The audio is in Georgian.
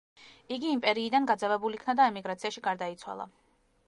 იგი იმპერიიდან გაძევებულ იქნა და ემიგრაციაში გარდაიცვალა.